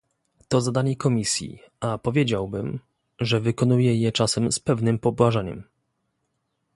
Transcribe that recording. To zadanie Komisji, a powiedziałbym, że wykonuje je czasem z pewnym pobłażaniem